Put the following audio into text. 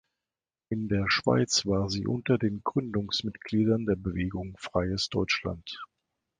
In der Schweiz war sie unter den Gründungsmitgliedern der Bewegung Freies Deutschland.